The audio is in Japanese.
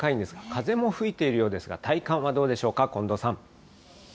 風も吹いているようですが、体感はどうでしょうか、近藤さん。